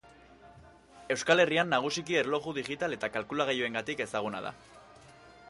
Euskal Herrian nagusiki erloju digital eta kalkulagailuengatik ezaguna da.